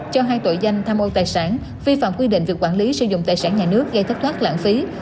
cho hai tội danh tham ô tài sản vi phạm quy định về quản lý sử dụng tài sản nhà nước gây thất thoát lãng phí